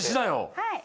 はい。